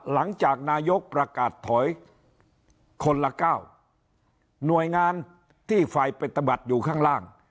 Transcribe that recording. หลังจากนายกประกาศถอยคนละเก้าหน่วยงานที่ฝ่ายปฏิบัติอยู่ข้างล่าง